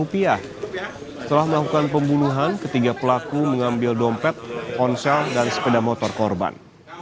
setelah melakukan pembunuhan ketiga pelaku mengambil dompet ponsel dan sepeda motor korban